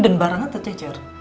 dan barangnya terjejar